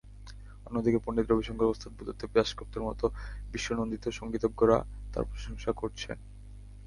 অন্যদিকে পণ্ডিত রবিশংকর, ওস্তাদ বুদ্ধদেব দাশগুপ্তর মতো বিশ্বনন্দিত সংগীতজ্ঞরা তাঁর প্রশংসা করেছেন।